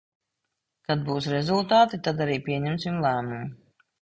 Kad būs rezultāti, tad arī pieņemsim lēmumu.